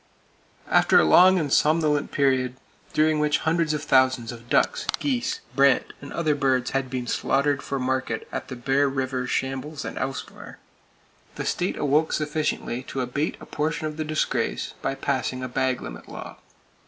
After a long and somnolent period, during which hundreds of thousands of ducks, geese, brant and other birds had been slaughtered for market at the Bear River shambles and elsewhere, the state awoke sufficiently to abate a portion of the disgrace by passing a bag limit law (1897).